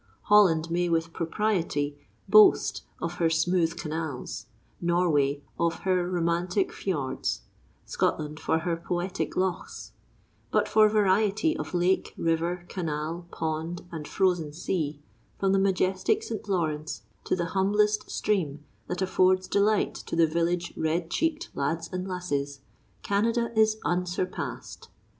Holland may with propriety boast of her smooth canals, Norway of her romantic fiords, Scotland of her poetic lochs; but for variety of lake, river, canal, pond, and frozen sea, from the majestic St. Lawrence to the humblest stream that affords delight to the village red cheeked lads and lasses, Canada is unsurpassed.